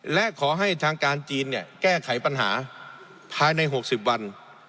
และขอให้ทางการจีนแก้ไขปัญหาภายใน๖๐วัน